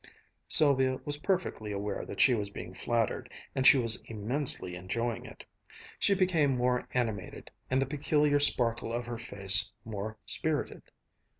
Sylvia was perfectly aware that she was being flattered, and she was immensely enjoying it. She became more animated, and the peculiar sparkle of her face more spirited.